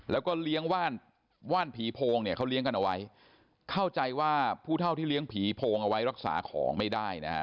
แล้วก็เลี้ยงว่านว่านผีโพงเนี่ยเขาเลี้ยงกันเอาไว้เข้าใจว่าผู้เท่าที่เลี้ยงผีโพงเอาไว้รักษาของไม่ได้นะฮะ